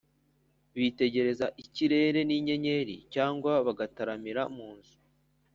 bitegereza ikirere n’inyenyeri, cyangwa bagataramira mu nzu